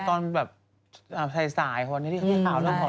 ตอนไทยสายวันนี้ที่ข่าวเริ่มของ